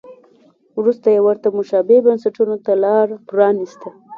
وروسته یې ورته مشابه بنسټونو ته لار پرانیسته.